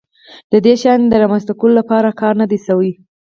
د دې شیانو د رامنځته کولو لپاره کار نه دی شوی.